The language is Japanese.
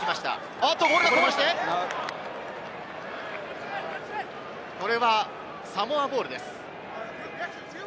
あっとボールがこぼれて、これはサモアボールです。